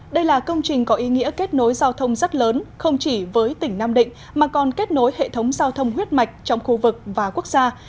đây là công trình có ý nghĩa kết nối giao thông rất lớn không chỉ với tỉnh nam định mà còn kết nối hệ thống giao thông huyết mạch trong khu vực và quốc gia